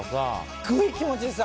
すっごい気持ちいいです。